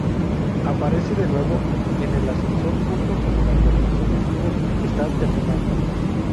Aparece de nuevo en el ascensor, justo como la transmisión en vivo está terminando.